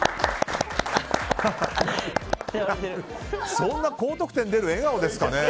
そんな高得点出る笑顔ですかね。